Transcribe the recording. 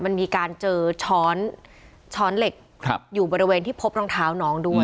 มันมีการเจอช้อนทร์ส์เล็กครับอยู่บริเวณที่พบน้องเท้าน้องด้วย